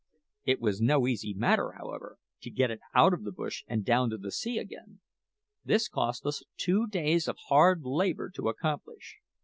It was no easy matter, however, to get it out of the bush and down to the sea again. This cost us two days of hard labour to accomplish.